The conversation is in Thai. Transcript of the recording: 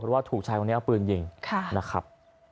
เพราะว่าถูกชายคนนี้เอาปืนยิงนะครับ